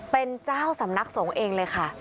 เป็นเจ้าสำนักสงฆ์เองเลยค่ะ